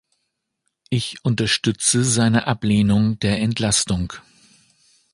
Ich unterstütze seine Ablehnung der Entlastung.